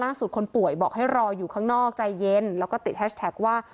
คนป่วยบอกให้รออยู่ข้างนอกใจเย็นแล้วก็ติดแฮชแท็กว่า